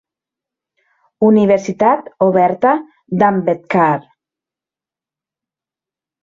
Universitat Oberta d'Ambedkar.